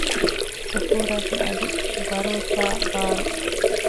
ޞަފޫރާގެ އަޑު ބަރުވެފައި ބާރު